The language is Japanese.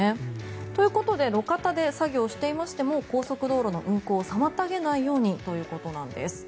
ということで路肩で作業していましても高速道路の運行を妨げないようにということなんです。